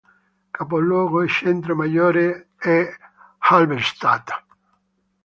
Capoluogo e centro maggiore è Halberstadt.